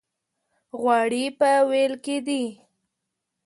غوړي په وېل کې دي.